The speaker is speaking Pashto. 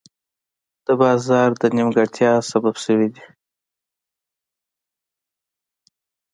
د بازار د نیمګړتیا سبب شوي دي.